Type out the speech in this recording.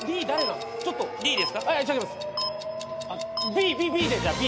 ＢＢＢでじゃあＢ。